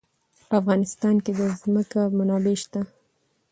په افغانستان کې د ځمکه منابع شته.